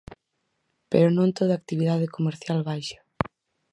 Pero non toda a actividade comercial baixa.